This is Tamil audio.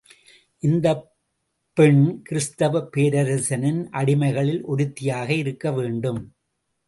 இந்தப் புெண் கிறிஸ்துவப் பேரரசரின் அடிமைகளில் ஒருத்தியாக இருக்க வேண்டும்.